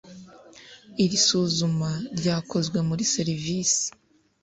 Iri suzuma ryakozwe kuri serivisi